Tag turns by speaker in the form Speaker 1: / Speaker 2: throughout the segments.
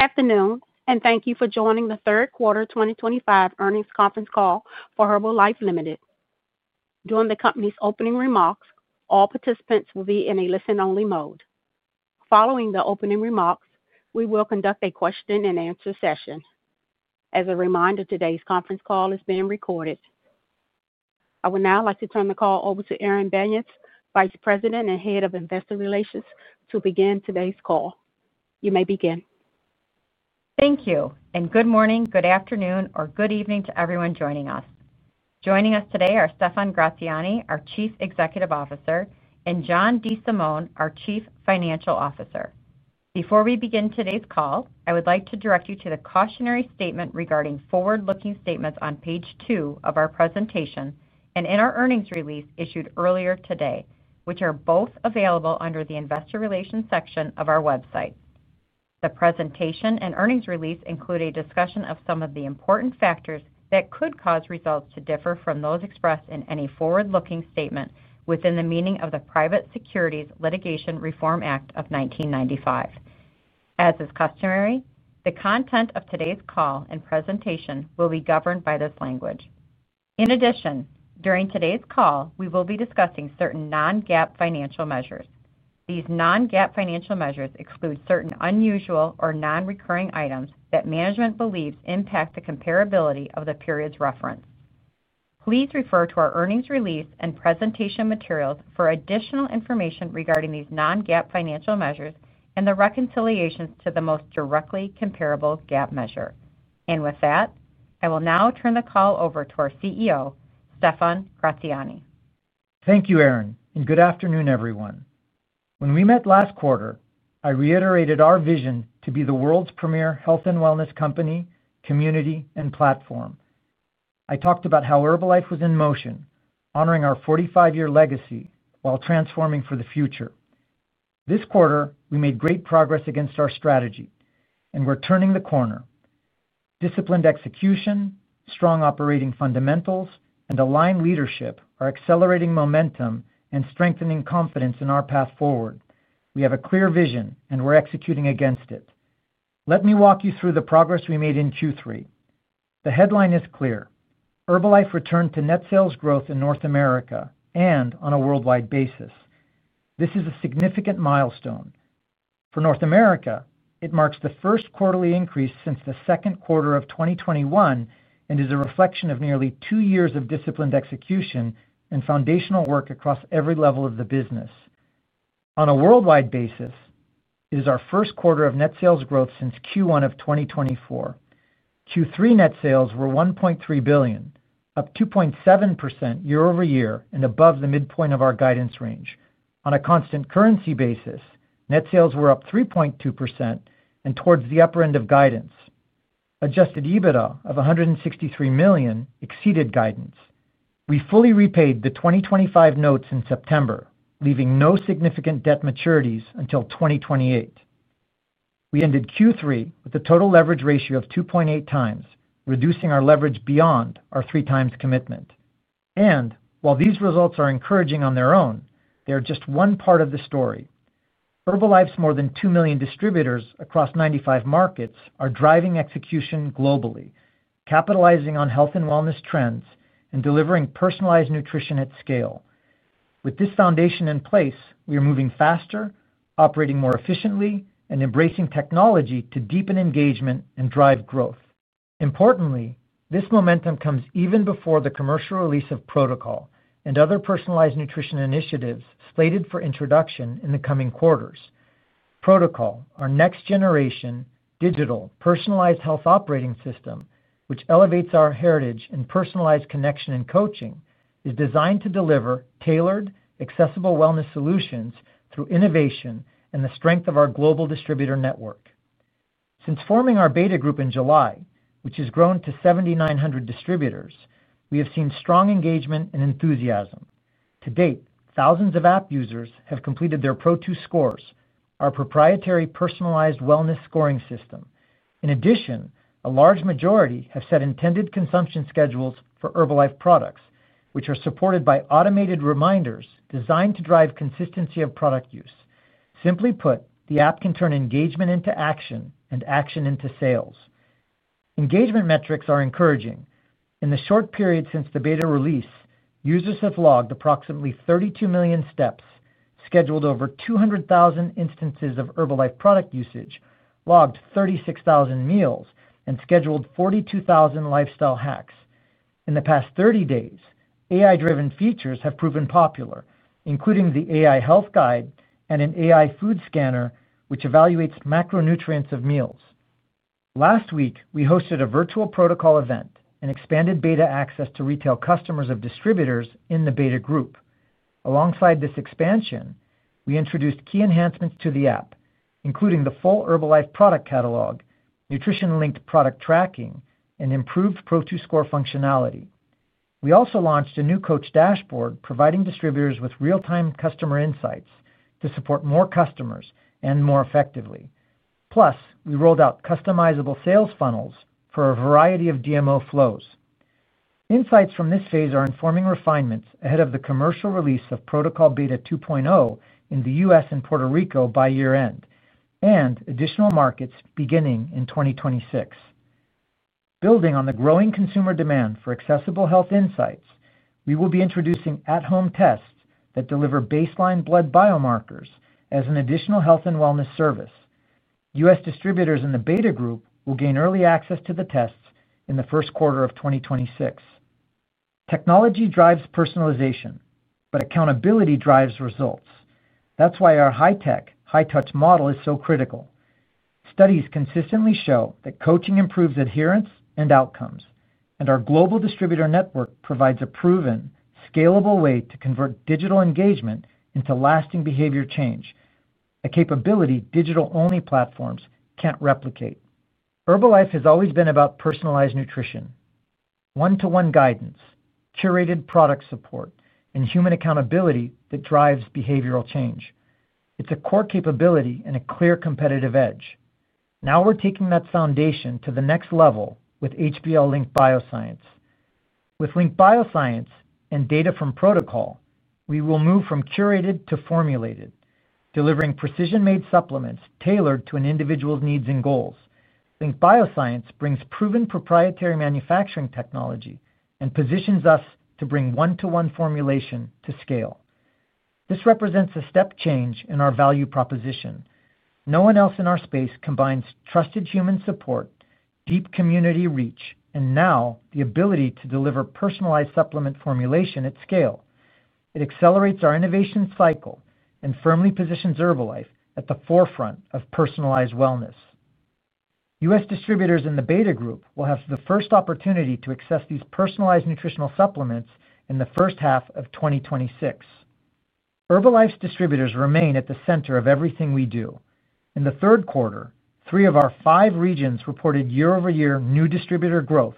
Speaker 1: Afternoon, and thank you for joining the third quarter 2025 earnings conference call for Herbalife Limited. During the company's opening remarks, all participants will be in a listen-only mode. Following the opening remarks, we will conduct a question-and-answer session. As a reminder, today's conference call is being recorded. I would now like to turn the call over to Erin Banyas, Vice President and Head of Investor Relations, to begin today's call. You may begin.
Speaker 2: Thank you, and good morning, good afternoon, or good evening to everyone joining us. Joining us today are Stephan Gratziani, our Chief Executive Officer, and John DeSimone, our Chief Financial Officer. Before we begin today's call, I would like to direct you to the cautionary statement regarding forward-looking statements on page two of our presentation and in our earnings release issued earlier today, which are both available under the Investor Relations section of our website. The presentation and earnings release include a discussion of some of the important factors that could cause results to differ from those expressed in any forward-looking statement within the meaning of the Private Securities Litigation Reform Act of 1995. As is customary, the content of today's call and presentation will be governed by this language. In addition, during today's call, we will be discussing certain Non-GAAP financial measures. These Non-GAAP financial measures exclude certain unusual or non-recurring items that management believes impact the comparability of the period's reference. Please refer to our earnings release and presentation materials for additional information regarding these Non-GAAP financial measures and the reconciliations to the most directly comparable GAAP measure. I will now turn the call over to our CEO, Stephan Gratziani.
Speaker 3: Thank you, Erin, and good afternoon, everyone. When we met last quarter, I reiterated our vision to be the world's premier health and wellness company, community, and platform. I talked about how Herbalife was in motion, honoring our 45-year legacy while transforming for the future. This quarter, we made great progress against our strategy, and we're turning the corner. Disciplined execution, strong operating fundamentals, and aligned leadership are accelerating momentum and strengthening confidence in our path forward. We have a clear vision, and we're executing against it. Let me walk you through the progress we made in Q3. The headline is clear: Herbalife returned to net sales growth in North America and on a worldwide basis. This is a significant milestone. For North America, it marks the first quarterly increase since the second quarter of 2021 and is a reflection of nearly two years of disciplined execution and foundational work across every level of the business. On a worldwide basis, it is our first quarter of net sales growth since Q1 of 2024. Q3 net sales were $1.3 billion, up 2.7% year-over-year and above the midpoint of our guidance range. On a constant currency basis, net sales were up 3.2% and towards the upper end of guidance. Adjusted EBITDA of $163 million exceeded guidance. We fully repaid the 2025 notes in September, leaving no significant debt maturities until 2028. We ended Q3 with a total leverage ratio of 2.8 times, reducing our leverage beyond our three-times commitment. While these results are encouraging on their own, they are just one part of the story. Herbalife's more than 2 million distributors across 95 markets are driving execution globally, capitalizing on health and wellness trends and delivering personalized nutrition at scale. With this foundation in place, we are moving faster, operating more efficiently, and embracing technology to deepen engagement and drive growth. Importantly, this momentum comes even before the commercial release of Pro2col and other personalized nutrition initiatives slated for introduction in the coming quarters. Pro2col, our next-generation digital personalized health operating system, which elevates our heritage in personalized connection and coaching, is designed to deliver tailored, accessible wellness solutions through innovation and the strength of our global distributor network. Since forming our beta group in July, which has grown to 7,900 distributors, we have seen strong engagement and enthusiasm. To date, thousands of app users have completed their Pro2scores, our proprietary personalized wellness scoring system. In addition, a large majority have set intended consumption schedules for Herbalife products, which are supported by automated reminders designed to drive consistency of product use. Simply put, the app can turn engagement into action and action into sales. Engagement metrics are encouraging. In the short period since the beta release, users have logged approximately 32 million steps, scheduled over 200,000 instances of Herbalife product usage, logged 36,000 meals, and scheduled 42,000 lifestyle hacks. In the past 30 days, AI-driven features have proven popular, including the AI Health Guide and an AI Food Scanner, which evaluates macronutrients of meals. Last week, we hosted a virtual Pro2col event and expanded beta access to retail customers of distributors in the beta group. Alongside this expansion, we introduced key enhancements to the app, including the full Herbalife product catalog, nutrition-linked product tracking, and improved Pro2score functionality. We also launched a new coach dashboard, providing distributors with real-time customer insights to support more customers and more effectively. Plus, we rolled out customizable sales funnels for a variety of DMO flows. Insights from this phase are informing refinements ahead of the commercial release of Pro2col Beta 2.0 in the U.S. and Puerto Rico by year-end and additional markets beginning in 2026. Building on the growing consumer demand for accessible health insights, we will be introducing at-home tests that deliver baseline blood biomarkers as an additional health and wellness service. U.S. distributors in the beta group will gain early access to the tests in the first quarter of 2026. Technology drives personalization, but accountability drives results. That's why our high-tech, high-touch model is so critical. Studies consistently show that coaching improves adherence and outcomes, and our global distributor network provides a proven, scalable way to convert digital engagement into lasting behavior change, a capability digital-only platforms cannot replicate. Herbalife has always been about personalized nutrition, one-to-one guidance, curated product support, and human accountability that drives behavioral change. It is a core capability and a clear competitive edge. Now we are taking that foundation to the next level with HBL Link Bioscience. With Link Bioscience and data from Pro2col, we will move from curated to formulated, delivering precision-made supplements tailored to an individual's needs and goals. Link Bioscience brings proven proprietary manufacturing technology and positions us to bring one-to-one formulation to scale. This represents a step change in our value proposition. No one else in our space combines trusted human support, deep community reach, and now the ability to deliver personalized supplement formulation at scale. It accelerates our innovation cycle and firmly positions Herbalife at the forefront of personalized wellness. U.S. distributors in the beta group will have the first opportunity to access these personalized nutritional supplements in the first half of 2026. Herbalife's distributors remain at the center of everything we do. In the third quarter, three of our five regions reported year-over-year new distributor growth,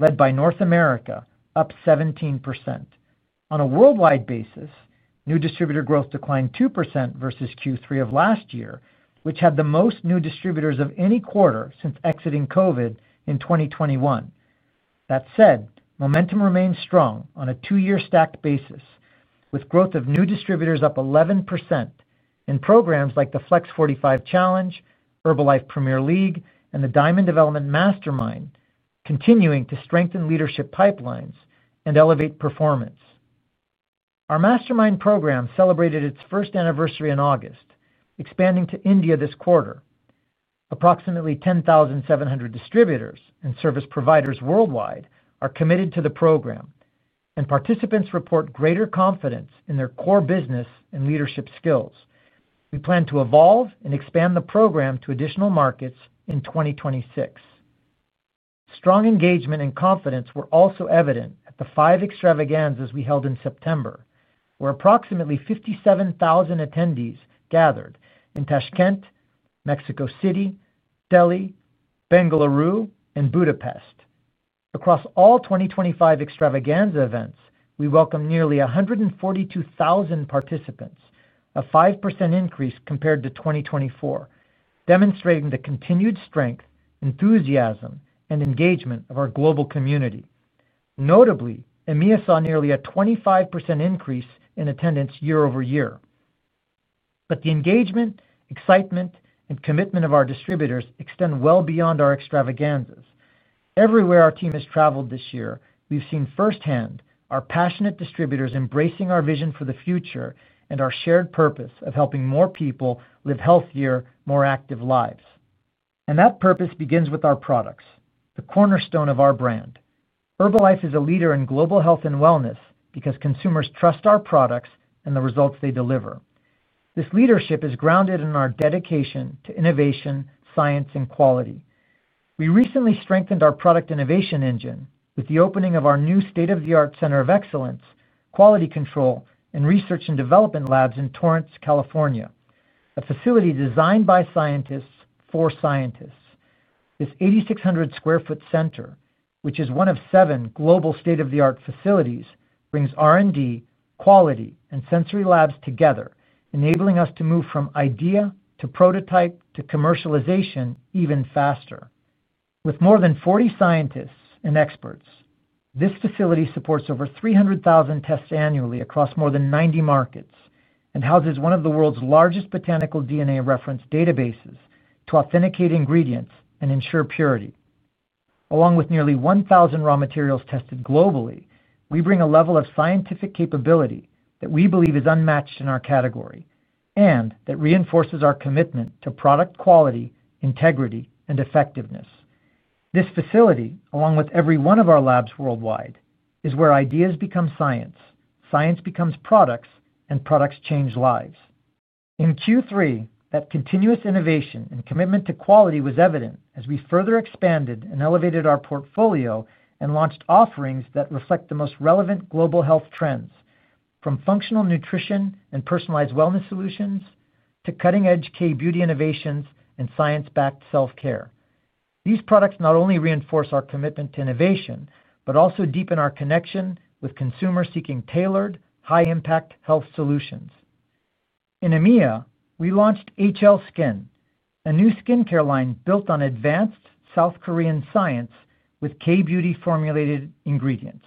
Speaker 3: led by North America, up 17%. On a worldwide basis, new distributor growth declined 2% versus Q3 of last year, which had the most new distributors of any quarter since exiting COVID in 2021. That said, momentum remains strong on a two-year stacked basis, with growth of new distributors up 11%. Programs like the Flex45 Challenge, Herbalife Premier League, and the Diamond Development Mastermind continue to strengthen leadership pipelines and elevate performance. Our Mastermind program celebrated its first anniversary in August, expanding to India this quarter. Approximately 10,700 distributors and service providers worldwide are committed to the program. Participants report greater confidence in their core business and leadership skills. We plan to evolve and expand the program to additional markets in 2026. Strong engagement and confidence were also evident at the five extravaganzas we held in September, where approximately 57,000 attendees gathered in Tashkent, Mexico City, Delhi, Bengaluru, and Budapest. Across all 2025 extravaganza events, we welcomed nearly 142,000 participants, a 5% increase compared to 2024, demonstrating the continued strength, enthusiasm, and engagement of our global community. Notably, EMEA saw nearly a 25% increase in attendance year-over-year. The engagement, excitement, and commitment of our distributors extend well beyond our extravaganzas. Everywhere our team has traveled this year, we've seen firsthand our passionate distributors embracing our vision for the future and our shared purpose of helping more people live healthier, more active lives. That purpose begins with our products, the cornerstone of our brand. Herbalife is a leader in global health and wellness because consumers trust our products and the results they deliver. This leadership is grounded in our dedication to innovation, science, and quality. We recently strengthened our product innovation engine with the opening of our new state-of-the-art center of excellence, quality control, and research and development labs in Torrance, California, a facility designed by scientists for scientists. This 8,600 sq ft center, which is one of seven global state-of-the-art facilities, brings R&D, quality, and sensory labs together, enabling us to move from idea to prototype to commercialization even faster. With more than 40 scientists and experts, this facility supports over 300,000 tests annually across more than 90 markets and houses one of the world's largest botanical DNA reference databases to authenticate ingredients and ensure purity. Along with nearly 1,000 raw materials tested globally, we bring a level of scientific capability that we believe is unmatched in our category and that reinforces our commitment to product quality, integrity, and effectiveness. This facility, along with every one of our labs worldwide, is where ideas become science, science becomes products, and products change lives. In Q3, that continuous innovation and commitment to quality was evident as we further expanded and elevated our portfolio and launched offerings that reflect the most relevant global health trends, from functional nutrition and personalized wellness solutions to cutting-edge K-beauty innovations and science-backed self-care. These products not only reinforce our commitment to innovation but also deepen our connection with consumers seeking tailored, high-impact health solutions. In EMEA, we launched HL/Skin, a new skincare line built on advanced South Korean science with K-beauty formulated ingredients.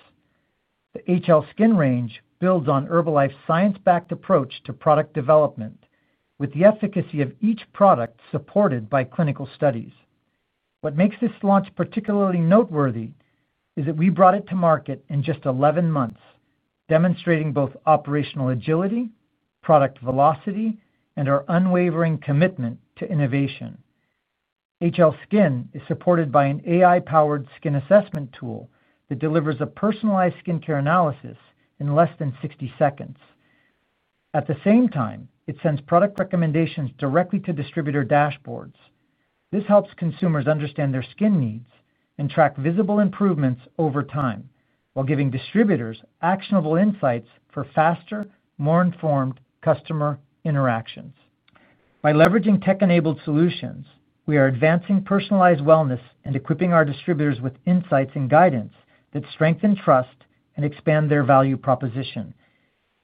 Speaker 3: The HL/Skin range builds on Herbalife's science-backed approach to product development, with the efficacy of each product supported by clinical studies. What makes this launch particularly noteworthy is that we brought it to market in just 11 months, demonstrating both operational agility, product velocity, and our unwavering commitment to innovation. HL/Skin is supported by an AI-powered skin assessment tool that delivers a personalized skincare analysis in less than 60 seconds. At the same time, it sends product recommendations directly to distributor dashboards. This helps consumers understand their skin needs and track visible improvements over time while giving distributors actionable insights for faster, more informed customer interactions. By leveraging tech-enabled solutions, we are advancing personalized wellness and equipping our distributors with insights and guidance that strengthen trust and expand their value proposition.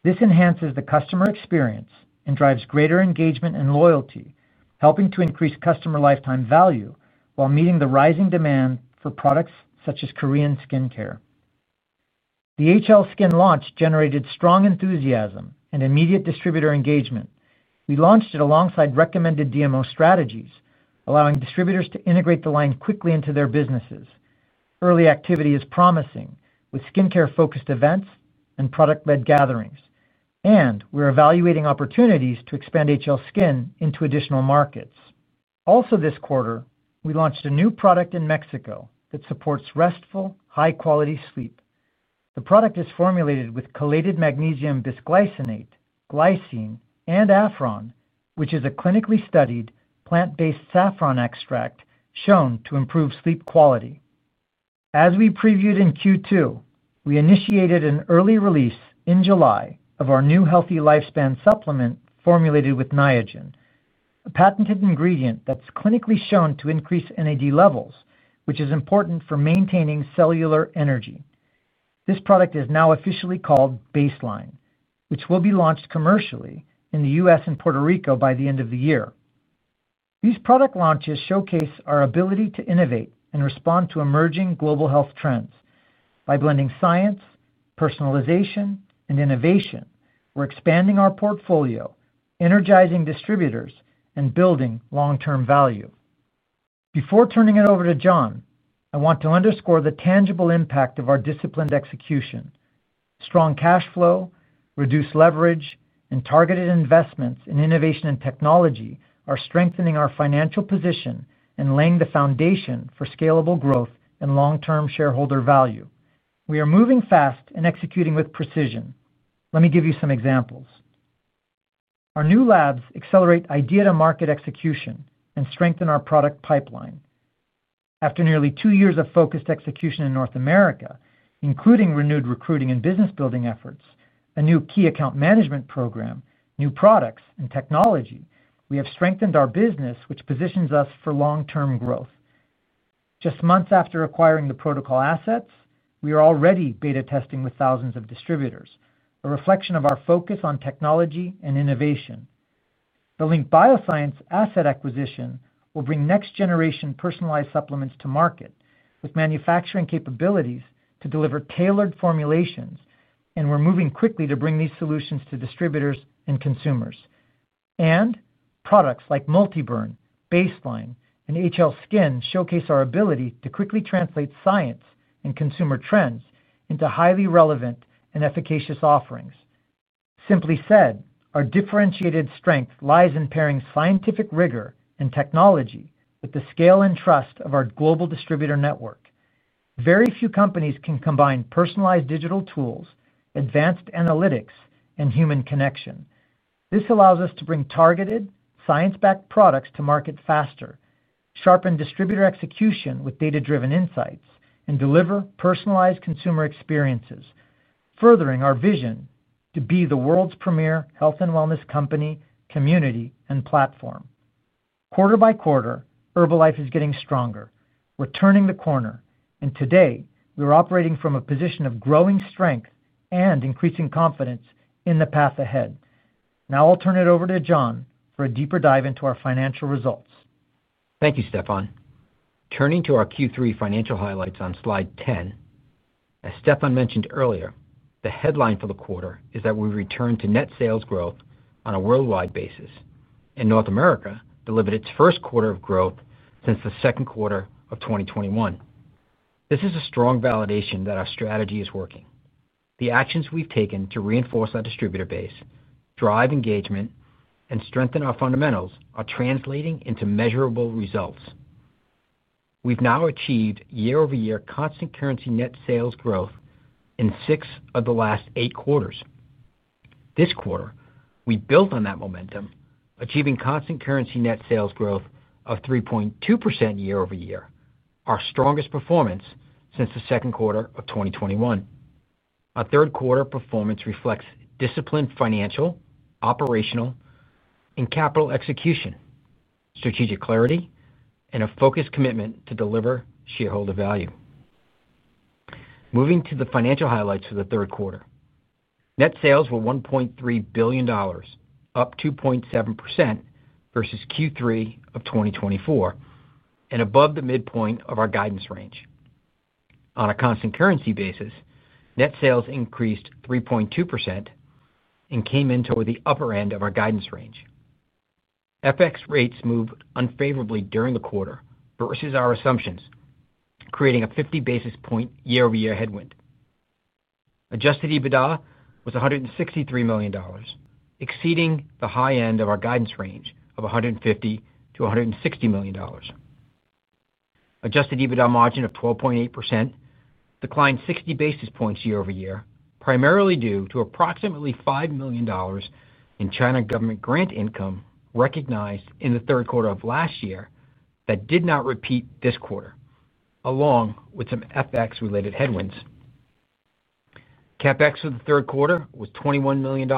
Speaker 3: This enhances the customer experience and drives greater engagement and loyalty, helping to increase customer lifetime value while meeting the rising demand for products such as Korean skincare. The HL/Skin launch generated strong enthusiasm and immediate distributor engagement. We launched it alongside recommended DMO strategies, allowing distributors to integrate the line quickly into their businesses. Early activity is promising with skincare-focused events and product-led gatherings, and we're evaluating opportunities to expand HL/Skin into additional markets. Also, this quarter, we launched a new product in Mexico that supports restful, high-quality sleep. The product is formulated with chelated magnesium Bisglycinate, glycine, and Affron, which is a clinically studied plant-based saffron extract shown to improve sleep quality. As we previewed in Q2, we initiated an early release in July of our new healthy lifespan supplement formulated with Niagen, a patented ingredient that's clinically shown to increase NAD levels, which is important for maintaining cellular energy. This product is now officially called Baseline, which will be launched commercially in the U.S. and Puerto Rico by the end of the year. These product launches showcase our ability to innovate and respond to emerging global health trends. By blending science, personalization, and innovation, we're expanding our portfolio, energizing distributors, and building long-term value. Before turning it over to John, I want to underscore the tangible impact of our disciplined execution. Strong cash flow, reduced leverage, and targeted investments in innovation and technology are strengthening our financial position and laying the foundation for scalable growth and long-term shareholder value. We are moving fast and executing with precision. Let me give you some examples. Our new labs accelerate idea-to-market execution and strengthen our product pipeline. After nearly two years of focused execution in North America, including renewed recruiting and business-building efforts, a new key account management program, new products, and technology, we have strengthened our business, which positions us for long-term growth. Just months after acquiring the Pro2col assets, we are already beta testing with thousands of distributors, a reflection of our focus on technology and innovation. The Link Bioscience asset acquisition will bring next-generation personalized supplements to market with manufacturing capabilities to deliver tailored formulations, and we are moving quickly to bring these solutions to distributors and consumers. Products like MultiBurn, Baseline, and HL/Skin showcase our ability to quickly translate science and consumer trends into highly relevant and efficacious offerings. Simply said, our differentiated strength lies in pairing scientific rigor and technology with the scale and trust of our global distributor network. Very few companies can combine personalized digital tools, advanced analytics, and human connection. This allows us to bring targeted, science-backed products to market faster, sharpen distributor execution with data-driven insights, and deliver personalized consumer experiences, furthering our vision to be the world's premier health and wellness company, community, and platform. Quarter by quarter, Herbalife is getting stronger. We're turning the corner, and today, we're operating from a position of growing strength and increasing confidence in the path ahead. Now I'll turn it over to John for a deeper dive into our financial results.
Speaker 4: Thank you, Stephan. Turning to our Q3 financial highlights on slide 10. As Stephan mentioned earlier, the headline for the quarter is that we returned to net sales growth on a worldwide basis. North America delivered its first quarter of growth since the second quarter of 2021. This is a strong validation that our strategy is working. The actions we've taken to reinforce our distributor base, drive engagement, and strengthen our fundamentals are translating into measurable results. We've now achieved year-over-year constant currency net sales growth in six of the last eight quarters. This quarter, we built on that momentum, achieving constant currency net sales growth of 3.2% year-over-year, our strongest performance since the second quarter of 2021. Our third quarter performance reflects disciplined financial, operational, and capital execution, strategic clarity, and a focused commitment to deliver shareholder value. Moving to the financial highlights for the third quarter. Net sales were $1.3 billion, up 2.7% versus Q3 of 2024 and above the midpoint of our guidance range. On a constant currency basis, net sales increased 3.2%. Came into the upper end of our guidance range. FX rates moved unfavorably during the quarter versus our assumptions, creating a 50 basis point year-over-year headwind. Adjusted EBITDA was $163 million, exceeding the high end of our guidance range of $150 miliion-$160 million. Adjusted EBITDA margin of 12.8% declined 60 basis points year-over-year, primarily due to approximately $5 million in China government grant income recognized in the third quarter of last year that did not repeat this quarter, along with some FX-related headwinds. CapEx for the third quarter was $21 million,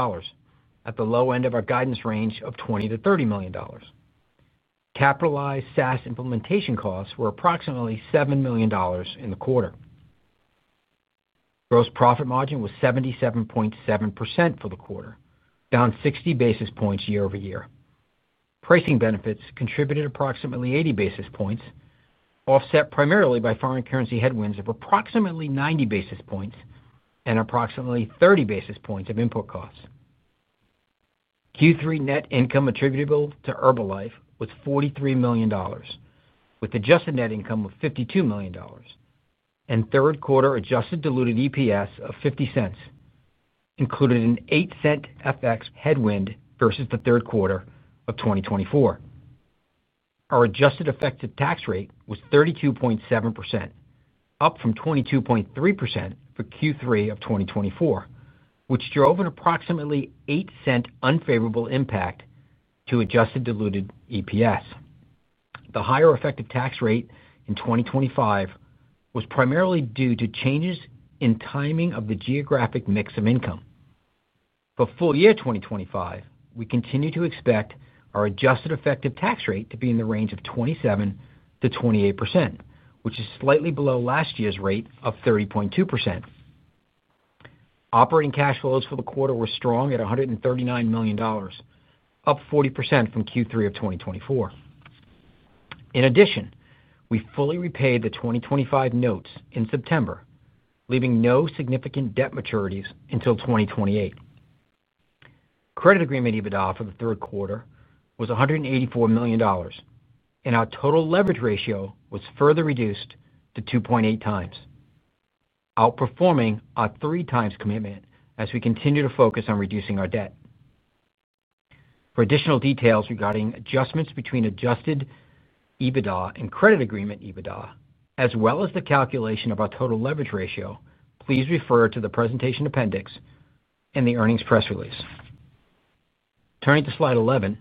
Speaker 4: at the low end of our guidance range of $20 million-$30 million. Capitalized SaaS implementation costs were approximately $7 million in the quarter. Gross profit margin was 77.7% for the quarter, down 60 basis points year-over-year. Pricing benefits contributed approximately 80 basis points, offset primarily by foreign currency headwinds of approximately 90 basis points and approximately 30 basis points of input costs. Q3 net income attributable to Herbalife was $43 million, with adjusted net income of $52 million. Third quarter adjusted diluted EPS of $0.50 included an $0.08 FX headwind versus the third quarter of 2024. Our adjusted effective tax rate was 32.7%, up from 22.3% for Q3 of 2024, which drove an approximately $0.08 unfavorable impact to adjusted diluted EPS. The higher effective tax rate in 2025 was primarily due to changes in timing of the geographic mix of income. For full year 2025, we continue to expect our adjusted effective tax rate to be in the range of 27%-28%, which is slightly below last year's rate of 30.2%. Operating cash flows for the quarter were strong at $139 million. Up 40% from Q3 of 2024. In addition, we fully repaid the 2025 notes in September, leaving no significant debt maturities until 2028. Credit agreement EBITDA for the third quarter was $184 million. Our total leverage ratio was further reduced to 2.8x, outperforming our three-times commitment as we continue to focus on reducing our debt. For additional details regarding adjustments between Adjusted EBITDA and credit agreement EBITDA, as well as the calculation of our total leverage ratio, please refer to the presentation appendix and the earnings press release. Turning to slide 11,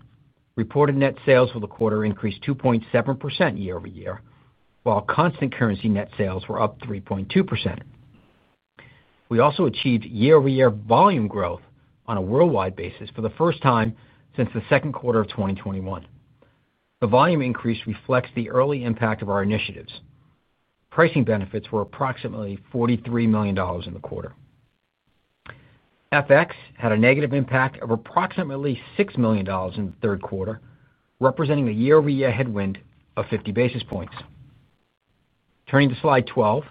Speaker 4: reported net sales for the quarter increased 2.7% year-over-year, while constant currency net sales were up 3.2%. We also achieved year-over-year volume growth on a worldwide basis for the first time since the second quarter of 2021. The volume increase reflects the early impact of our initiatives. Pricing benefits were approximately $43 million in the quarter. FX had a negative impact of approximately $6 million in the third quarter, representing a year-over-year headwind of 50 basis points. Turning to slide 12,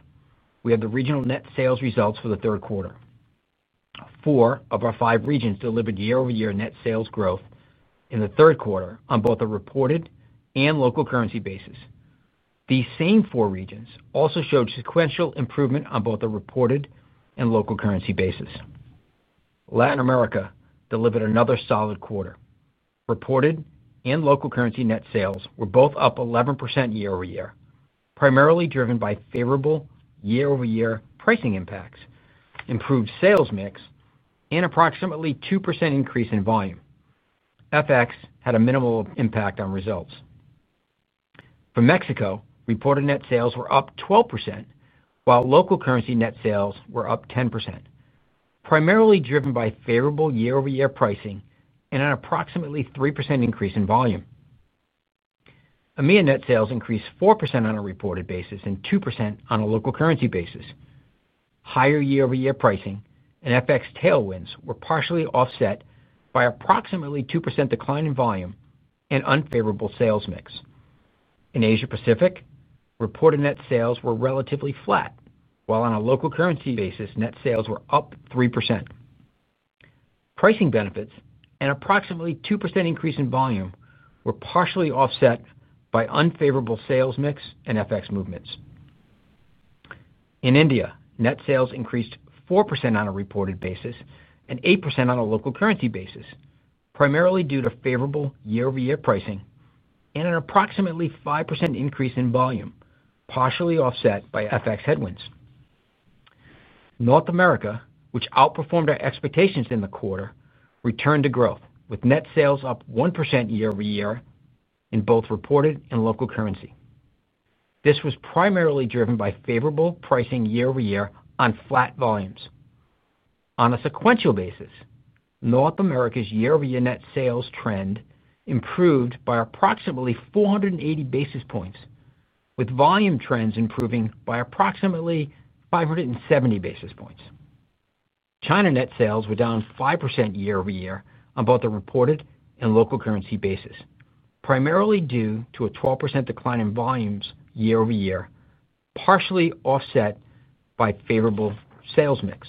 Speaker 4: we have the regional net sales results for the third quarter. Four of our five regions delivered year-over-year net sales growth in the third quarter on both the reported and local currency basis. These same four regions also showed sequential improvement on both the reported and local currency basis. Latin America delivered another solid quarter. Reported and local currency net sales were both up 11% year-over-year, primarily driven by favorable year-over-year pricing impacts, improved sales mix, and approximately 2% increase in volume. FX had a minimal impact on results. For Mexico, reported net sales were up 12%, while local currency net sales were up 10%. Primarily driven by favorable year-over-year pricing and an approximately 3% increase in volume. EMEA net sales increased 4% on a reported basis and 2% on a local currency basis. Higher year-over-year pricing and FX tailwinds were partially offset by approximately 2% decline in volume and unfavorable sales mix. In Asia-Pacific, reported net sales were relatively flat, while on a local currency basis, net sales were up 3%. Pricing benefits and approximately 2% increase in volume were partially offset by unfavorable sales mix and FX movements. In India, net sales increased 4% on a reported basis and 8% on a local currency basis, primarily due to favorable year-over-year pricing and an approximately 5% increase in volume, partially offset by FX headwinds. North America, which outperformed our expectations in the quarter, returned to growth with net sales up 1% year-over-year in both reported and local currency. This was primarily driven by favorable pricing year-over-year on flat volumes. On a sequential basis, North America's year-over-year net sales trend improved by approximately 480 basis points, with volume trends improving by approximately 570 basis points. China net sales were down 5% year-over-year on both the reported and local currency basis, primarily due to a 12% decline in volumes year-over-year, partially offset by favorable sales mix.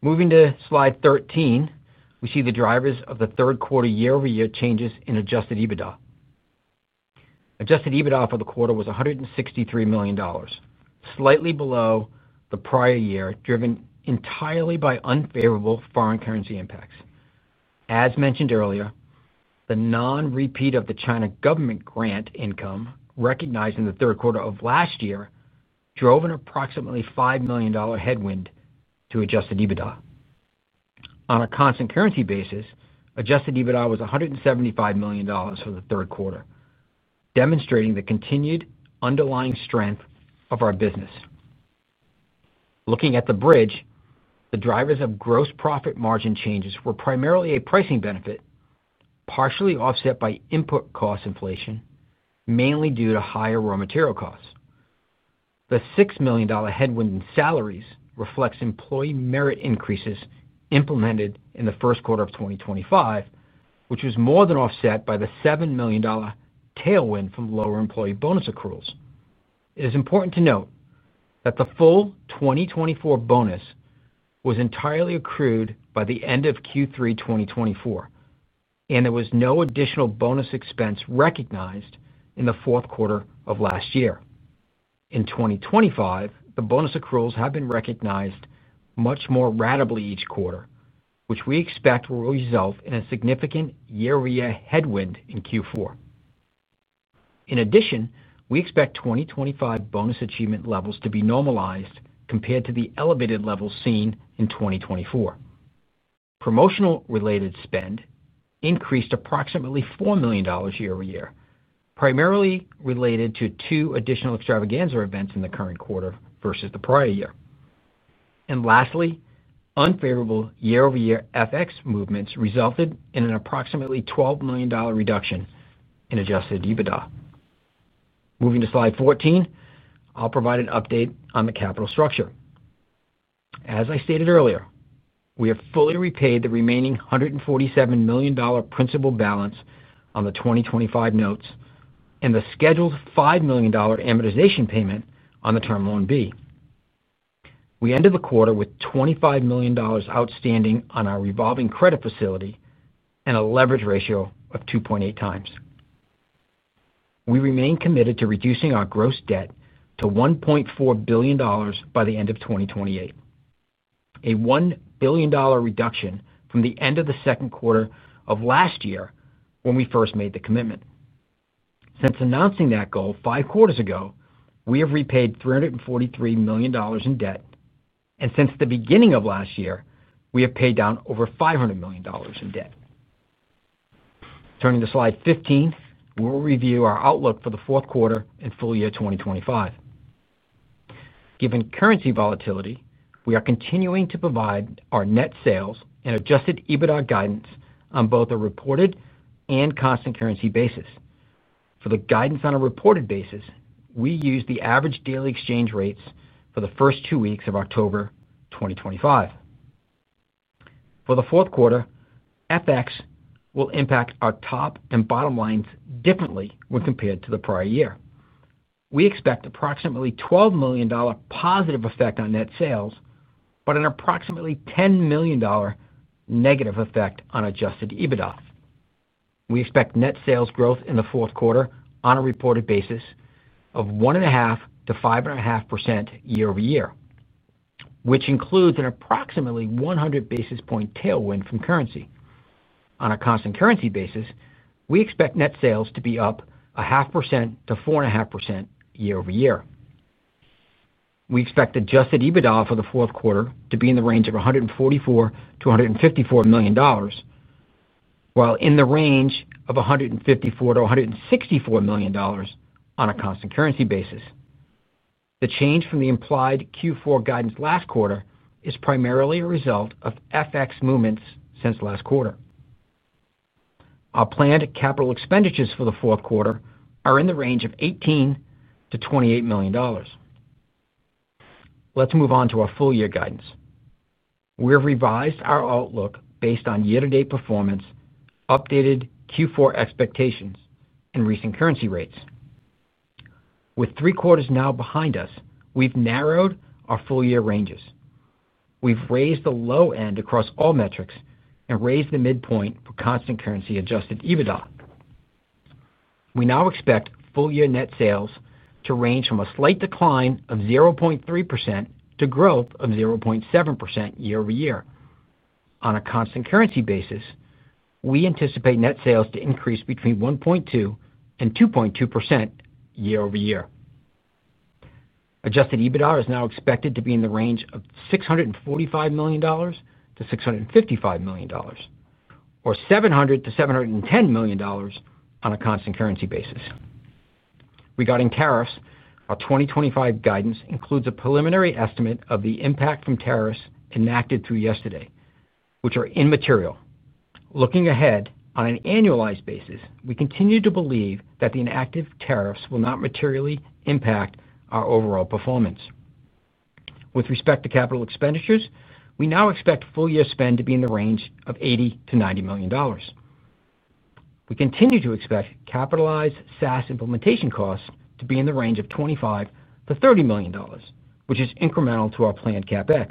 Speaker 4: Moving to slide 13, we see the drivers of the third quarter year-over-year changes in Adjusted EBITDA. Adjusted EBITDA for the quarter was $163 million, slightly below the prior year driven entirely by unfavorable foreign currency impacts. As mentioned earlier, the non-repeat of the China government grant income recognized in the third quarter of last year drove an approximately $5 million headwind to Adjusted EBITDA. On a constant currency basis, Adjusted EBITDA was $175 million for the third quarter, demonstrating the continued underlying strength of our business. Looking at the bridge, the drivers of gross profit margin changes were primarily a pricing benefit, partially offset by input cost inflation, mainly due to higher raw material costs. The $6 million headwind in salaries reflects employee merit increases implemented in the first quarter of 2025, which was more than offset by the $7 million tailwind from lower employee bonus accruals. It is important to note that the full 2024 bonus was entirely accrued by the end of Q3 2024. There was no additional bonus expense recognized in the fourth quarter of last year. In 2025, the bonus accruals have been recognized much more readily each quarter, which we expect will result in a significant year-over-year headwind in Q4. In addition, we expect 2025 bonus achievement levels to be normalized compared to the elevated levels seen in 2024. Promotional-related spend increased approximately $4 million year-over-year, primarily related to two additional extravaganza events in the current quarter versus the prior year. Lastly, unfavorable year-over-year FX movements resulted in an approximately $12 million reduction in Adjusted EBITDA. Moving to slide 14, I'll provide an update on the capital structure. As I stated earlier, we have fully repaid the remaining $147 million principal balance on the 2025 notes and the scheduled $5 million amortization payment on the Term Loan B. We ended the quarter with $25 million outstanding on our revolving credit facility and a leverage ratio of 2.8 times. We remain committed to reducing our gross debt to $1.4 billion by the end of 2028. A $1 billion reduction from the end of the second quarter of last year when we first made the commitment. Since announcing that goal five quarters ago, we have repaid $343 million in debt. Since the beginning of last year, we have paid down over $500 million in debt. Turning to slide 15, we will review our outlook for the fourth quarter and full year 2025. Given currency volatility, we are continuing to provide our net sales and Adjusted EBITDA guidance on both the reported and constant currency basis. For the guidance on a reported basis, we use the average daily exchange rates for the first two weeks of October 2025. For the fourth quarter, FX will impact our top and bottom lines differently when compared to the prior year. We expect approximately $12 million positive effect on net sales, but an approximately $10 million negative effect on Adjusted EBITDA. We expect net sales growth in the fourth quarter on a reported basis of 1.5%-5.5% year-over-year, which includes an approximately 100 basis point tailwind from currency. On a constant currency basis, we expect net sales to be up 0.5%-4.5% year-over-year. We expect Adjusted EBITDA for the fourth quarter to be in the range of $144 million-$154 million, while in the range of $154 million-$164 million on a constant currency basis. The change from the implied Q4 guidance last quarter is primarily a result of FX movements since last quarter. Our planned capital expenditures for the fourth quarter are in the range of $18-$28 million. Let's move on to our full year guidance. We have revised our outlook based on year-to-date performance, updated Q4 expectations, and recent currency rates. With three quarters now behind us, we've narrowed our full year ranges. We've raised the low end across all metrics and raised the midpoint for constant currency Adjusted EBITDA. We now expect full year net sales to range from a slight decline of 0.3% to growth of 0.7% year-over-year. On a constant currency basis, we anticipate net sales to increase between 1.2% and 2.2% year-over-year. Adjusted EBITDA is now expected to be in the range of $645 million-$655 million, or $700 million-$710 million on a constant currency basis. Regarding tariffs, our 2025 guidance includes a preliminary estimate of the impact from tariffs enacted through yesterday, which are immaterial. Looking ahead on an annualized basis, we continue to believe that the enacted tariffs will not materially impact our overall performance. With respect to capital expenditures, we now expect full year spend to be in the range of $80 million-$90 million. We continue to expect capitalized SaaS implementation costs to be in the range of $25 million-$30 million, which is incremental to our planned CapEx.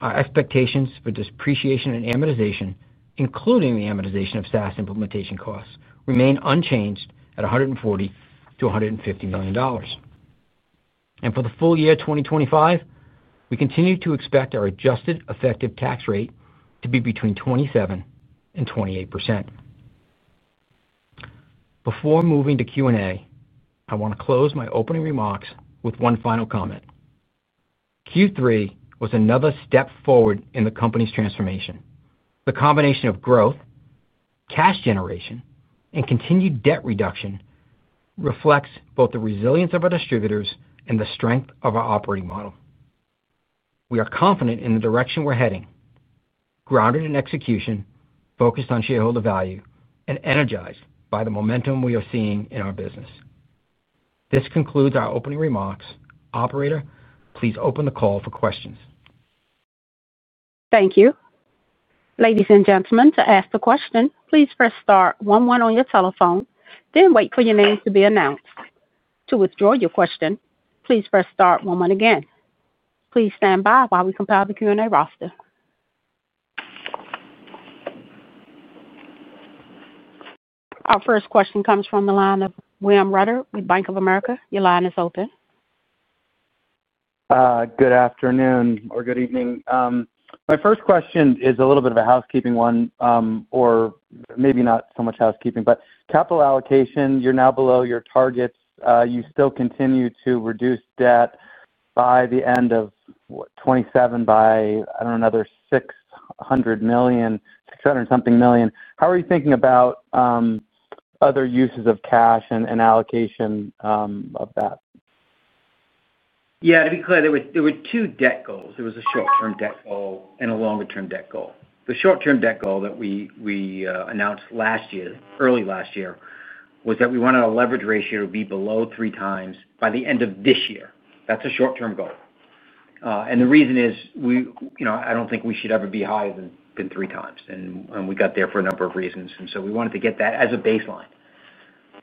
Speaker 4: Our expectations for depreciation and amortization, including the amortization of SaaS implementation costs, remain unchanged at $140-$150 million. For the full year 2025, we continue to expect our adjusted effective tax rate to be between 27%-28%. Before moving to Q&A, I want to close my opening remarks with one final comment. Q3 was another step forward in the company's transformation. The combination of growth, cash generation, and continued debt reduction reflects both the resilience of our distributors and the strength of our operating model. We are confident in the direction we're heading, grounded in execution, focused on shareholder value, and energized by the momentum we are seeing in our business. This concludes our opening remarks. Operator, please open the call for questions.
Speaker 1: Thank you. Ladies and gentlemen, to ask a question, please press star one one on your telephone, then wait for your name to be announced. To withdraw your question, please press star one one again. Please stand by while we compile the Q&A roster. Our first question comes from the line of William Rueter with Bank of America. Your line is open.
Speaker 5: Good afternoon or good evening. My first question is a little bit of a housekeeping one, or maybe not so much housekeeping, but capital allocation. You're now below your targets. You still continue to reduce debt by the end of 2027 by, I don't know, another $600 million, $600 and something million. How are you thinking about other uses of cash and allocation of that?
Speaker 4: Yeah. To be clear, there were two debt goals. There was a short-term debt goal and a longer-term debt goal. The short-term debt goal that we announced early last year was that we wanted a leverage ratio to be below three times by the end of this year. That is a short-term goal. The reason is, I do not think we should ever be higher than three times. We got there for a number of reasons. We wanted to get that as a baseline.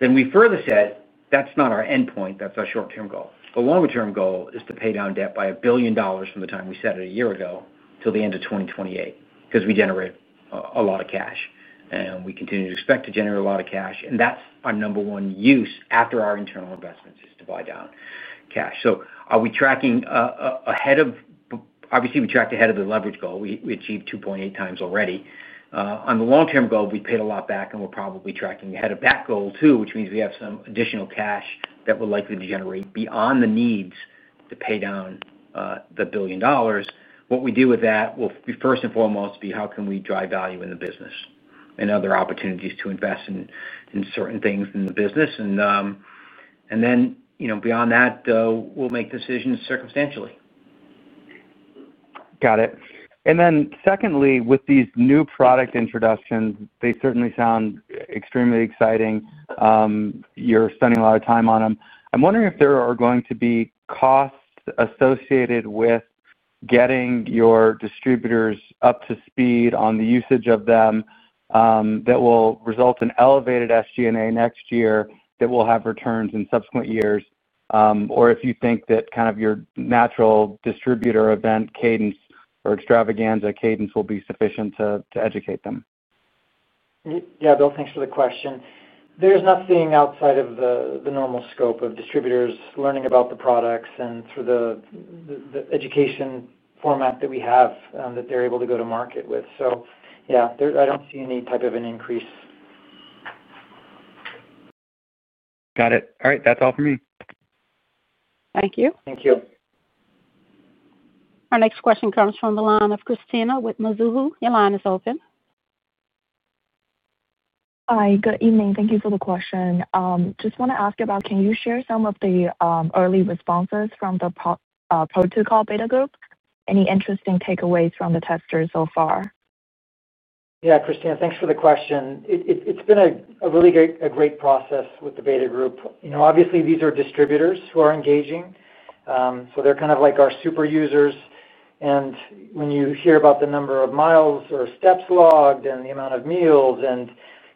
Speaker 4: We further said, "That is not our endpoint. That is our short-term goal." The longer-term goal is to pay down debt by $1 billion from the time we set it a year ago till the end of 2028 because we generate a lot of cash. We continue to expect to generate a lot of cash. That is our number one use after our internal investments is to buy down cash. Are we tracking ahead of? Obviously, we tracked ahead of the leverage goal. We achieved 2.8 times already. On the long-term goal, we paid a lot back, and we're probably tracking ahead of that goal too, which means we have some additional cash that will likely be generated beyond the needs to pay down the billion dollars. What we do with that will be, first and foremost, how can we drive value in the business and other opportunities to invest in certain things in the business? Then beyond that, we'll make decisions circumstantially.
Speaker 5: Got it. And then secondly, with these new product introductions, they certainly sound extremely exciting. You're spending a lot of time on them. I'm wondering if there are going to be costs associated with getting your distributors up to speed on the usage of them. That will result in elevated SG&A next year that will have returns in subsequent years, or if you think that kind of your natural distributor event cadence or extravaganza cadence will be sufficient to educate them.
Speaker 3: Yeah. Bill, thanks for the question. There's nothing outside of the normal scope of distributors learning about the products and through the education format that we have that they're able to go to market with. So yeah, I don't see any type of an increase.
Speaker 5: Got it. All right. That's all for me.
Speaker 1: Thank you.
Speaker 3: Thank you.
Speaker 1: Our next question comes from the line of Christina with Mizuho. Your line is open. Hi. Good evening. Thank you for the question. Just want to ask about. Can you share some of the early responses from the Pro2col Beta Group? Any interesting takeaways from the testers so far?
Speaker 3: Yeah, Christina, thanks for the question. It's been a really great process with the beta group. Obviously, these are distributors who are engaging. They're kind of like our super users. When you hear about the number of miles or steps logged and the amount of meals,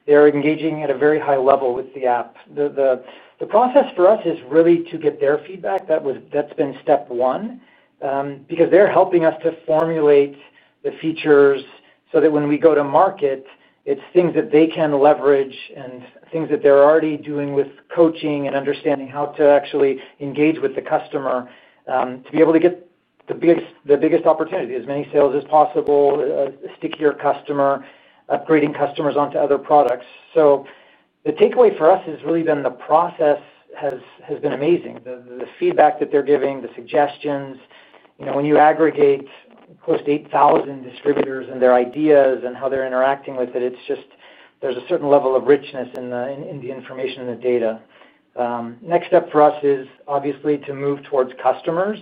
Speaker 3: they're engaging at a very high level with the app. The process for us is really to get their feedback. That's been step one. They're helping us to formulate the features so that when we go to market, it's things that they can leverage and things that they're already doing with coaching and understanding how to actually engage with the customer to be able to get the biggest opportunity, as many sales as possible, stickier customer, upgrading customers onto other products. The takeaway for us has really been the process. Has been amazing. The feedback that they're giving, the suggestions. When you aggregate close to 8,000 distributors and their ideas and how they're interacting with it, it's just there's a certain level of richness in the information and the data. Next step for us is obviously to move towards customers.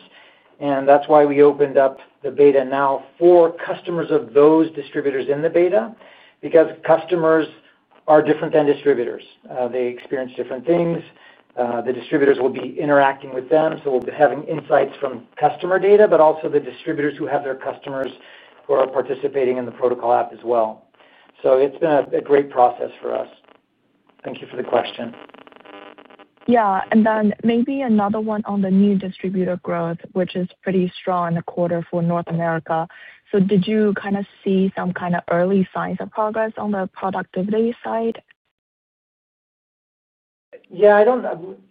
Speaker 3: That's why we opened up the beta now for customers of those distributors in the beta, because customers are different than distributors. They experience different things. The distributors will be interacting with them. Having insights from customer data, but also the distributors who have their customers who are participating in the Pro2col app as well. It's been a great process for us. Thank you for the question. Yeah. Maybe another one on the new distributor growth, which is pretty strong in the quarter for North America. Did you kind of see some kind of early signs of progress on the productivity side? Yeah.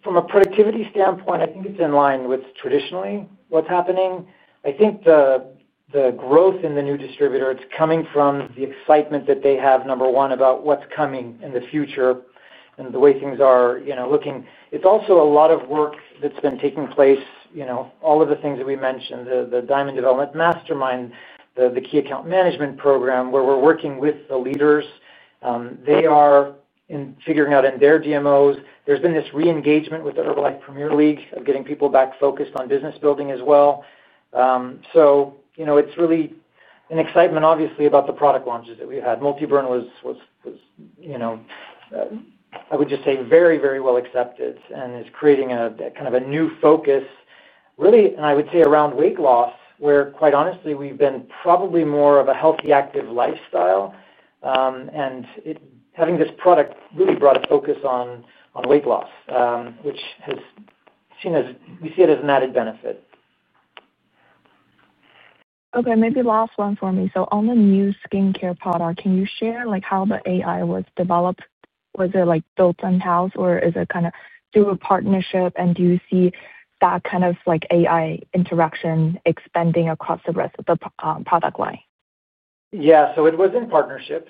Speaker 3: From a productivity standpoint, I think it's in line with traditionally what's happening. I think the growth in the new distributor, it's coming from the excitement that they have, number one, about what's coming in the future. The way things are looking. It's also a lot of work that's been taking place. All of the things that we mentioned, the Diamond Development Mastermind, the key account management program where we're working with the leaders. They are figuring out in their DMOs. There's been this re-engagement with the Herbalife Premier League of getting people back focused on business building as well. It's really an excitement, obviously, about the product launches that we've had. MultiBurn was. I would just say very, very well accepted and is creating kind of a new focus, really, and I would say around weight loss, where quite honestly, we've been probably more of a healthy active lifestyle. Having this product really brought a focus on weight loss, which we see as an added benefit. Okay. Maybe last one for me. On the new skincare product, can you share how the AI was developed? Was it built in-house or is it kind of through a partnership? Do you see that kind of AI interaction expanding across the rest of the product line? Yeah. It was in partnership.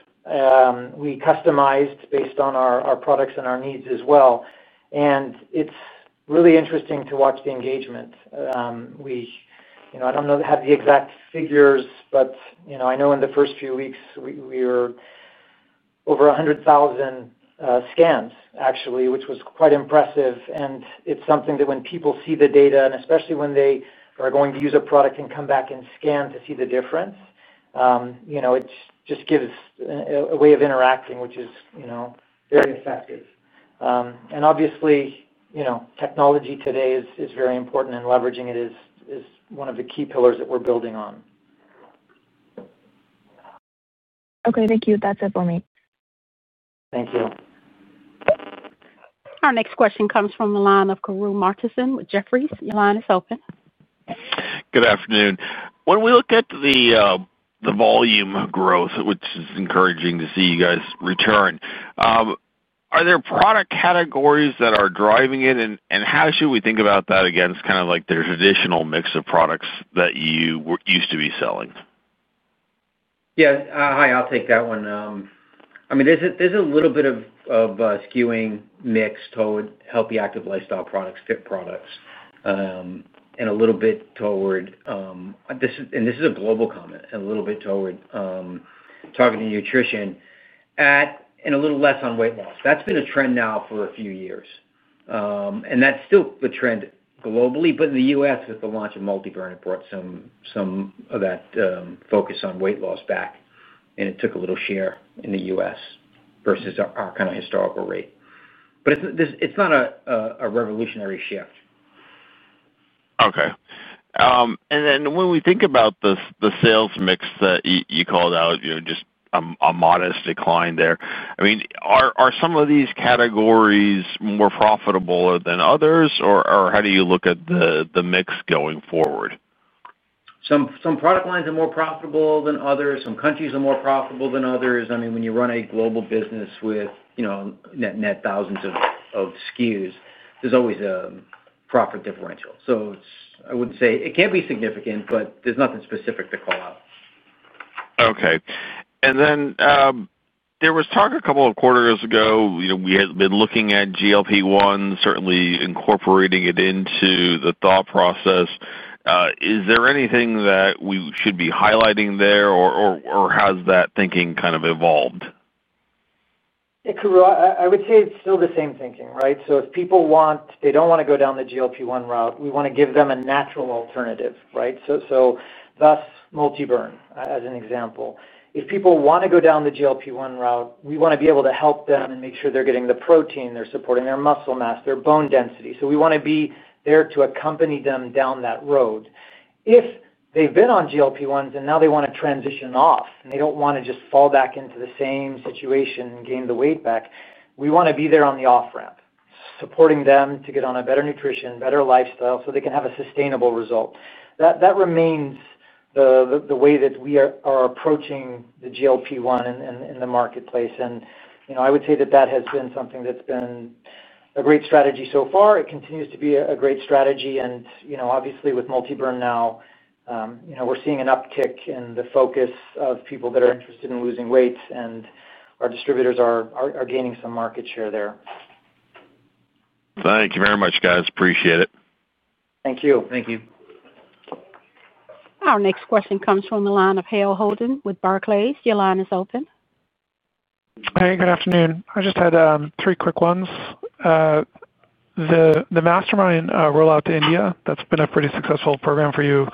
Speaker 3: We customized based on our products and our needs as well. It's really interesting to watch the engagement. I don't know the exact figures, but I know in the first few weeks, we were. Over 100,000 scans, actually, which was quite impressive. It is something that when people see the data, and especially when they are going to use a product and come back and scan to see the difference, it just gives a way of interacting, which is very effective. Obviously, technology today is very important, and leveraging it is one of the key pillars that we are building on. Okay. Thank you. That is it for me. Thank you.
Speaker 1: Our next question comes from the line Karru Martinson with Jefferies. Your line is open.
Speaker 6: Good afternoon. When we look at the volume growth, which is encouraging to see you guys return, are there product categories that are driving it? How should we think about that against kind of like the traditional mix of products that you used to be selling?
Speaker 4: Yeah. Hi. I will take that one. I mean, there's a little bit of skewing mix toward healthy active lifestyle products, fit products. And a little bit toward, and this is a global comment, a little bit toward targeted nutrition and a little less on weight loss. That's been a trend now for a few years. That's still the trend globally, but in the U.S., with the launch of MultiBurn, it brought some of that focus on weight loss back. It took a little share in the U.S. versus our kind of historical rate. It's not a revolutionary shift.
Speaker 6: Okay. When we think about the sales mix that you called out, just a modest decline there. I mean, are some of these categories more profitable than others, or how do you look at the mix going forward?
Speaker 4: Some product lines are more profitable than others. Some countries are more profitable than others. I mean, when you run a global business with net thousands of SKUs, there's always a profit differential. I wouldn't say it can't be significant, but there's nothing specific to call out.
Speaker 6: Okay. There was talk a couple of quarters ago. We had been looking at GLP-1, certainly incorporating it into the thought process. Is there anything that we should be highlighting there, or has that thinking kind of evolved?
Speaker 3: I would say it's still the same thinking, right? If people want, they don't want to go down the GLP-1 route, we want to give them a natural alternative, right? Thus, MultiBurn, as an example. If people want to go down the GLP-1 route, we want to be able to help them and make sure they're getting the protein, they're supporting their muscle mass, their bone density. We want to be there to accompany them down that road. If they've been on GLP-1s and now they want to transition off, and they do not want to just fall back into the same situation and gain the weight back, we want to be there on the off-ramp, supporting them to get on better nutrition, better lifestyle so they can have a sustainable result. That remains. The way that we are approaching the GLP-1 in the marketplace. I would say that that has been something that's been a great strategy so far. It continues to be a great strategy. Obviously, with MultiBurn now, we are seeing an uptick in the focus of people that are interested in losing weight, and our distributors are gaining some market share there.
Speaker 6: Thank you very much, guys. Appreciate it.
Speaker 3: Thank you.
Speaker 4: Thank you.
Speaker 1: Our next question comes from the line of Hale Holden with Barclays. Your line is open.
Speaker 7: Hey, good afternoon. I just had three quick ones. The Mastermind rollout to India, that's been a pretty successful program for you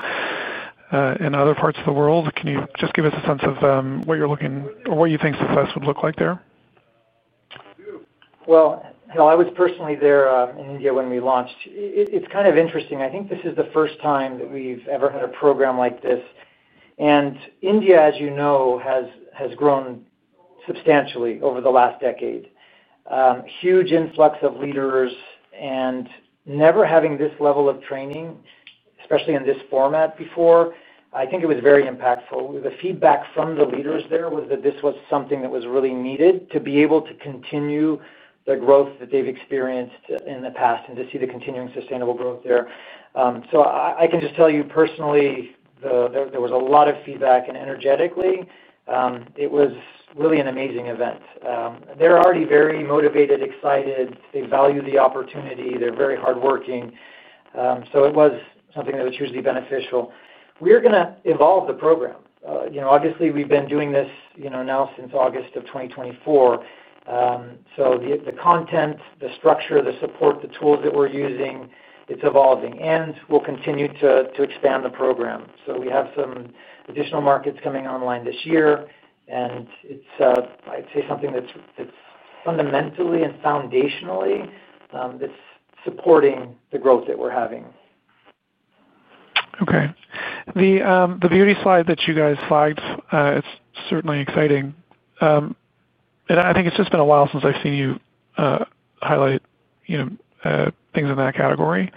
Speaker 7: in other parts of the world. Can you just give us a sense of what you're looking or what you think success would look like there?
Speaker 3: I was personally there in India when we launched. It's kind of interesting. I think this is the first time that we've ever had a program like this. India, as you know, has grown substantially over the last decade. Huge influx of leaders. Never having this level of training, especially in this format before, I think it was very impactful. The feedback from the leaders there was that this was something that was really needed to be able to continue the growth that they've experienced in the past and to see the continuing sustainable growth there. I can just tell you personally, there was a lot of feedback and energetically, it was really an amazing event. They're already very motivated, excited. They value the opportunity. They're very hardworking. It was something that was hugely beneficial. We're going to evolve the program. Obviously, we've been doing this now since August of 2024. The content, the structure, the support, the tools that we're using, it's evolving. We'll continue to expand the program. We have some additional markets coming online this year. It's, I'd say, something that's fundamentally and foundationally supporting the growth that we're having.
Speaker 7: Okay. The beauty slide that you guys flagged, it's certainly exciting. I think it's just been a while since I've seen you highlight. Things in that category.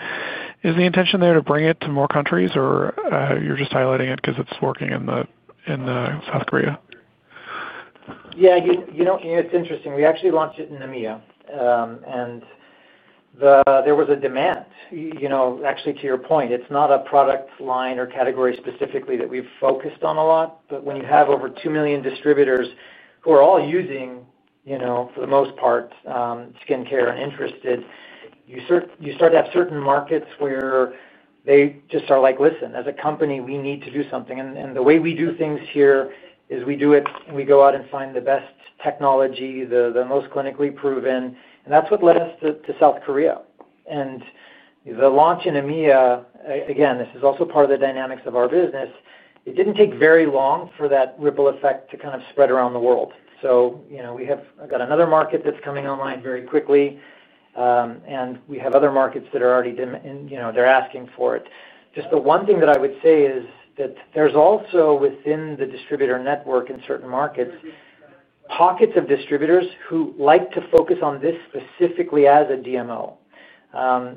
Speaker 7: Is the intention there to bring it to more countries, or you're just highlighting it because it's working in South Korea?
Speaker 3: Yeah. It's interesting. We actually launched it in Namibia. There was a demand. Actually, to your point, it's not a product line or category specifically that we've focused on a lot. But when you have over 2 million distributors who are all using, for the most part, skincare and interested, you start to have certain markets where they just are like, "Listen, as a company, we need to do something." The way we do things here is we do it, and we go out and find the best technology, the most clinically proven. That's what led us to South Korea. The launch in EMEA, again, this is also part of the dynamics of our business. It did not take very long for that ripple effect to kind of spread around the world. We have got another market that is coming online very quickly. We have other markets that are already asking for it. The one thing that I would say is that there is also within the distributor network in certain markets, pockets of distributors who like to focus on this specifically as a DMO.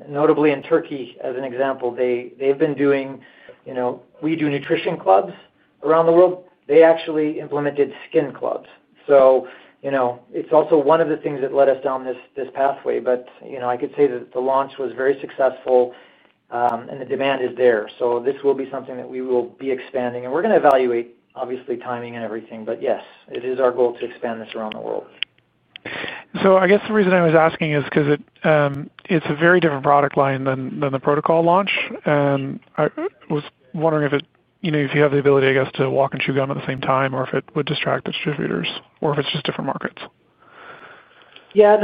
Speaker 3: Notably in Turkey, as an example, they have been doing nutrition clubs around the world. They actually implemented skin clubs. It is also one of the things that led us down this pathway. I could say that the launch was very successful, and the demand is there. This will be something that we will be expanding. We're going to evaluate, obviously, timing and everything. Yes, it is our goal to expand this around the world.
Speaker 7: I guess the reason I was asking is because it's a very different product line than the Pro2col launch. I was wondering if you have the ability, I guess, to walk and chew gum at the same time or if it would distract distributors or if it's just different markets.
Speaker 3: Yeah.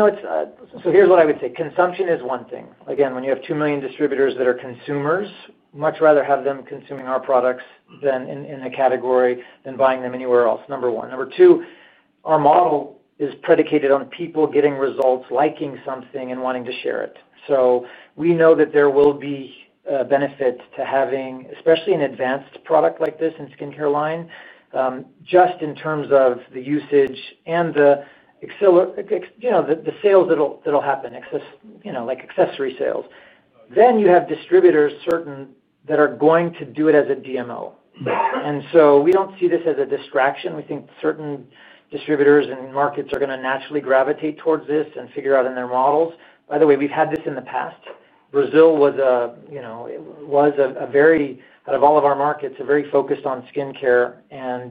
Speaker 3: Here's what I would say. Consumption is one thing. Again, when you have 2 million distributors that are consumers, much rather have them consuming our products in a category than buying them anywhere else, number one. Number two, our model is predicated on people getting results, liking something, and wanting to share it. We know that there will be benefits to having, especially an advanced product like this in skincare line, just in terms of the usage and the sales that'll happen, like accessory sales. You have distributors certain that are going to do it as a DMO. We do not see this as a distraction. We think certain distributors and markets are going to naturally gravitate towards this and figure out in their models. By the way, we've had this in the past. Brazil was a very, out of all of our markets, a very focused on skincare. There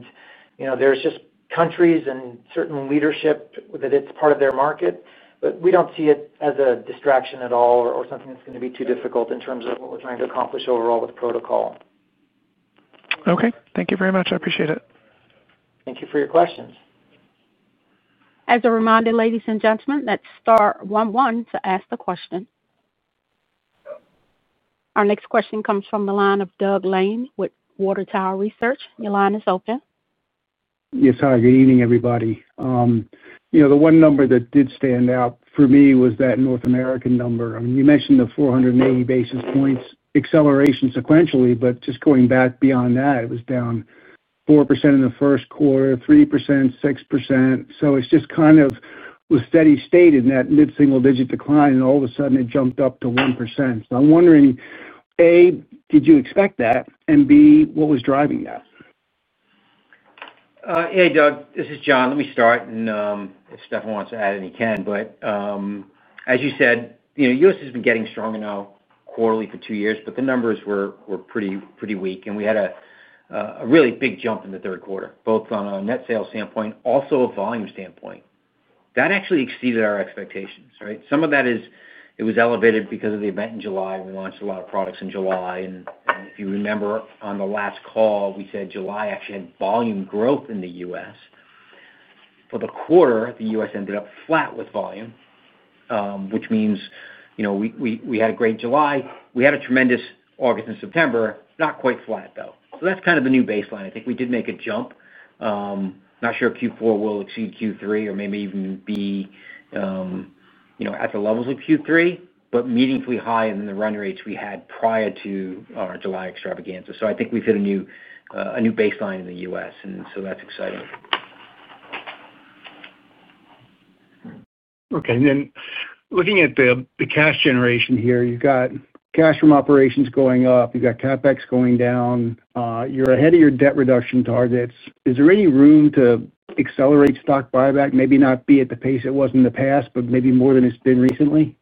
Speaker 3: are just countries and certain leadership that it's part of their market. We do not see it as a distraction at all or something that's going to be too difficult in terms of what we're trying to accomplish overall with Pro2col.
Speaker 7: Okay. Thank you very much. I appreciate it.
Speaker 3: Thank you for your questions.
Speaker 1: As a reminder, ladies and gentlemen, that's star 11 to ask the question. Our next question comes from the line of Doug Lane with Water Tower Research. Your line is open.
Speaker 8: Yes, hi. Good evening, everybody. The one number that did stand out for me was that North American number. I mean, you mentioned the 480 basis points acceleration sequentially, but just going back beyond that, it was down 4% in the first quarter, 3%, 6%. So it just kind of was steady-state in that mid-single-digit decline, and all of a sudden, it jumped up to 1%. So I'm wondering, A, did you expect that? And B, what was driving that?
Speaker 4: Hey, Doug. This is John. Let me start. And if Stephan wants to add, he can. But. As you said, U.S. has been getting stronger now quarterly for two years, but the numbers were pretty weak. We had a really big jump in the third quarter, both on a net sales standpoint, also a volume standpoint. That actually exceeded our expectations, right? Some of that was elevated because of the event in July. We launched a lot of products in July. If you remember, on the last call, we said July actually had volume growth in the U.S.. For the quarter, the U.S. ended up flat with volume, which means we had a great July. We had a tremendous August and September, not quite flat, though. That is kind of the new baseline. I think we did make a jump. Not sure Q4 will exceed Q3 or maybe even be. At the levels of Q3, but meaningfully higher than the run rates we had prior to our July extravaganza. I think we've hit a new Baseline in the U.S.. That's exciting.
Speaker 8: Okay. Looking at the cash generation here, you've got cash from operations going up. You've got CapEx going down. You're ahead of your debt reduction targets. Is there any room to accelerate stock buyback? Maybe not be at the pace it was in the past, but maybe more than it's been recently?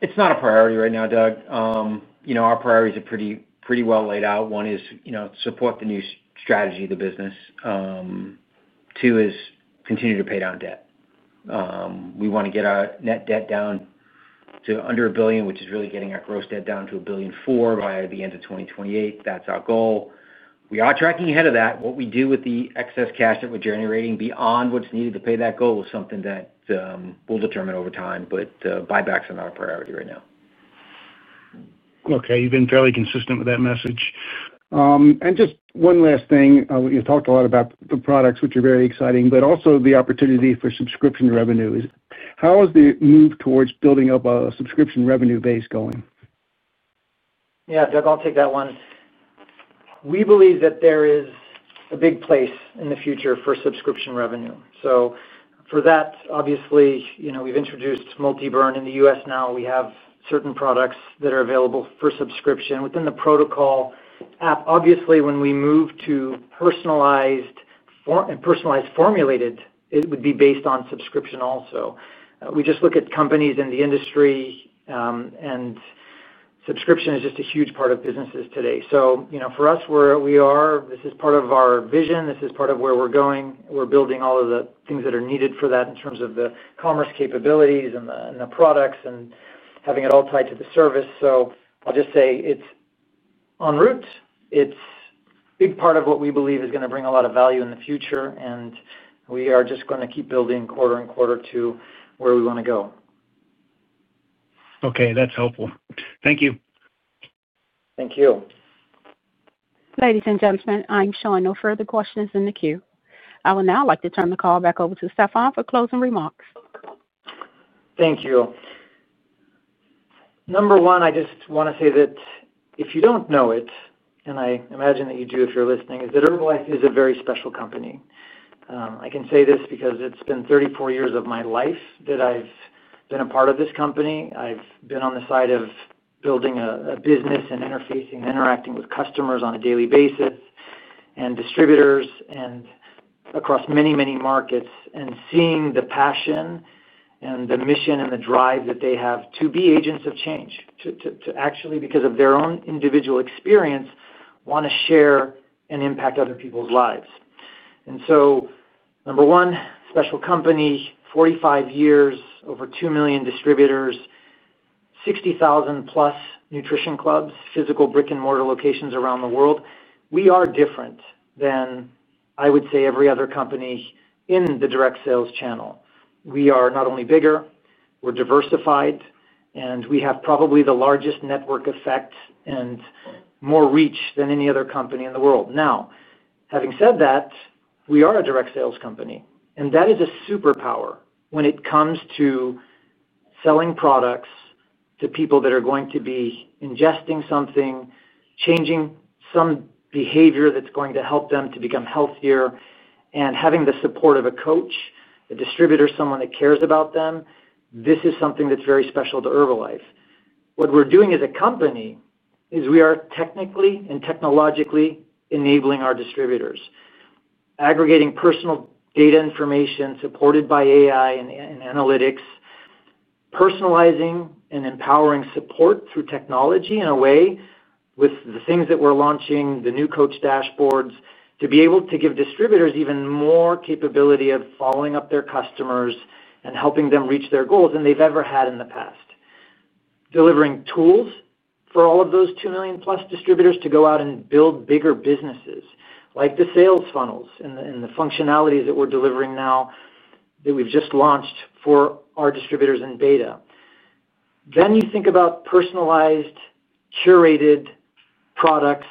Speaker 4: It's not a priority right now, Doug. Our priorities are pretty well laid out. One is to support the new strategy of the business. Two is continue to pay down debt. We want to get our net debt down to under $1 billion, which is really getting our gross debt down to $1.4 billion by the end of 2028. That's our goal. We are tracking ahead of that. What we do with the excess cash that we're generating beyond what's needed to pay that goal is something that we'll determine over time. Buyback's not our priority right now.
Speaker 8: You've been fairly consistent with that message. Just one last thing. You talked a lot about the products, which are very exciting, but also the opportunity for subscription revenue. How is the move towards building up a subscription revenue base going?
Speaker 3: Yeah, Doug, I'll take that one. We believe that there is a big place in the future for subscription revenue. For that, obviously, we've introduced MultiBurn in the U.S. now. We have certain products that are available for subscription within the Pro2col app. Obviously, when we move to personalized, formulated, it would be based on subscription also. We just look at companies in the industry. Subscription is just a huge part of businesses today. For us, this is part of our vision. This is part of where we're going. We're building all of the things that are needed for that in terms of the commerce capabilities and the products and having it all tied to the service. I'll just say it's en route. It's a big part of what we believe is going to bring a lot of value in the future. We are just going to keep building quarter and quarter to where we want to go.
Speaker 8: Okay. That's helpful. Thank you.
Speaker 3: Thank you.
Speaker 1: Ladies and gentlemen, I'm showing no further questions in the queue. I would now like to turn the call back over to Stephan for closing remarks. Thank you.
Speaker 3: Number one, I just want to say that if you don't know it, and I imagine that you do if you're listening, is that Herbalife is a very special company. I can say this because it's been 34 years of my life that I've been a part of this company. I've been on the side of building a business and interfacing and interacting with customers on a daily basis and distributors and across many, many markets and seeing the passion and the mission and the drive that they have to be agents of change, to actually, because of their own individual experience, want to share and impact other people's lives. Number one, special company, 45 years, over 2 million distributors. 60,000-plus nutrition clubs, physical brick-and-mortar locations around the world. We are different than, I would say, every other company in the direct sales channel. We are not only bigger, we're diversified, and we have probably the largest network effect and more reach than any other company in the world. Now, having said that, we are a direct sales company. That is a superpower when it comes to selling products to people that are going to be ingesting something, changing some behavior that's going to help them to become healthier, and having the support of a coach, a distributor, someone that cares about them. This is something that's very special to Herbalife. What we're doing as a company is we are technically and technologically enabling our distributors. Aggregating personal data information supported by AI and analytics. Personalizing and empowering support through technology in a way with the things that we're launching, the new coach dashboards, to be able to give distributors even more capability of following up their customers and helping them reach their goals than they've ever had in the past. Delivering tools for all of those 2 million-plus distributors to go out and build bigger businesses, like the sales funnels and the functionalities that we're delivering now that we've just launched for our distributors in beta. You think about personalized, curated products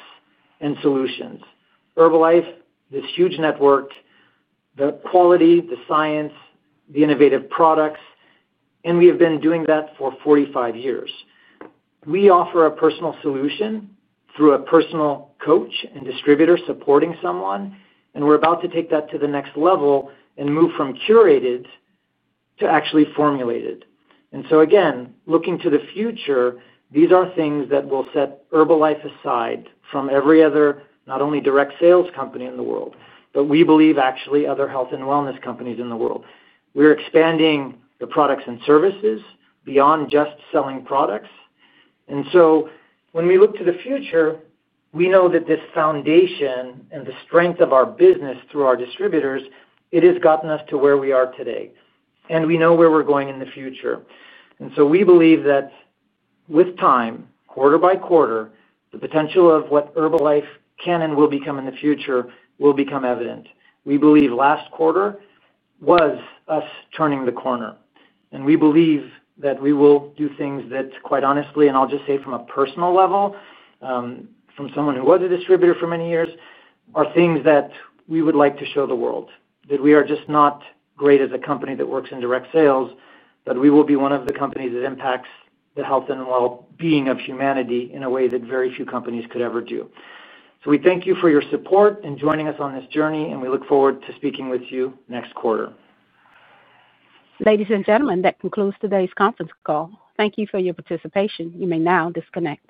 Speaker 3: and solutions. Herbalife, this huge network, the quality, the science, the innovative products. We have been doing that for 45 years. We offer a personal solution through a personal coach and distributor supporting someone. We're about to take that to the next level and move from curated to actually formulated. Again, looking to the future, these are things that will set Herbalife aside from every other, not only direct sales company in the world, but we believe actually other health and wellness companies in the world. We are expanding the products and services beyond just selling products. When we look to the future, we know that this foundation and the strength of our business through our distributors, it has gotten us to where we are today. We know where we are going in the future. We believe that, with time, quarter by quarter, the potential of what Herbalife can and will become in the future will become evident. We believe last quarter was us turning the corner. We believe that we will do things that, quite honestly, and I will just say from a personal level. From someone who was a distributor for many years, are things that we would like to show the world, that we are just not great as a company that works in direct sales, but we will be one of the companies that impacts the health and well-being of humanity in a way that very few companies could ever do. So we thank you for your support and joining us on this journey, and we look forward to speaking with you next quarter.
Speaker 1: Ladies and gentlemen, that concludes today's conference call. Thank you for your participation. You may now disconnect.